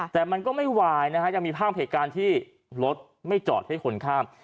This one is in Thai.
แต่มันก็ไม่ไหวนะฮะยังมีภาพเหตุการณ์ที่รถไม่จอดให้คนข้าม